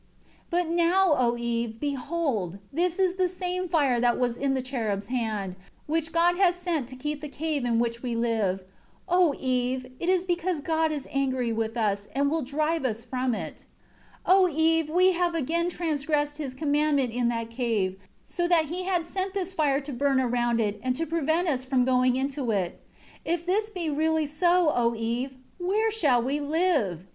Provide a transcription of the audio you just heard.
4 But now, O Eve, behold, this is the same fire that was in the cherub's hand, which God has sent to keep the cave in which we live. 5 O Eve, it is because God is angry with us, and will drive us from it. 6 O Eve, we have again transgressed His commandment in that cave, so that He had sent this fire to burn around it, and to prevent us from going into it. 7 If this be really so, O Eve, where shall we live?